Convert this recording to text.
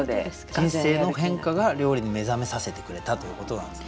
人生の変化が料理に目覚めさせてくれたということなんですね。